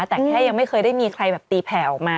แต่แค่ยังไม่เคยได้มีใครแบบตีแผ่ออกมา